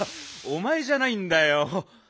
おまえじゃないんだよ。